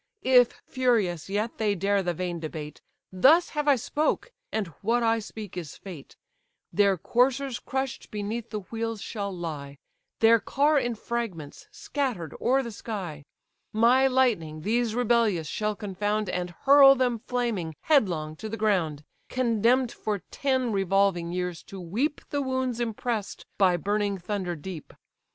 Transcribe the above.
If furious yet they dare the vain debate, Thus have I spoke, and what I speak is fate: Their coursers crush'd beneath the wheels shall lie, Their car in fragments, scatter'd o'er the sky: My lightning these rebellious shall confound, And hurl them flaming, headlong, to the ground, Condemn'd for ten revolving years to weep The wounds impress'd by burning thunder deep.